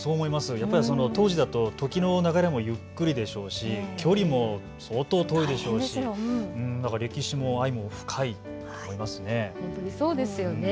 やっぱり当時だと時の流れもゆっくりでしょうし、距離も相当、遠いでしょうし歴史も愛も深い感じがしますね。